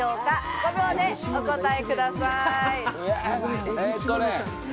５秒でお答えください。